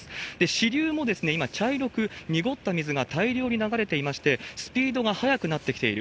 支流も今、茶色く濁った水が大量に流れていまして、スピードが速くなってきている。